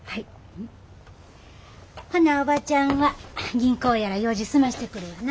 ほなおばちゃんは銀行やら用事済ましてくるわな。